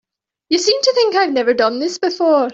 You seem to think I've never done this before.